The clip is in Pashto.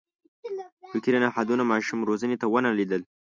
فکري نهادونو ماشوم روزنې ته ونه لېدل.